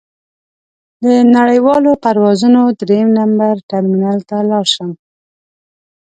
د نړیوالو پروازونو درېیم نمبر ټرمینل ته لاړ شم.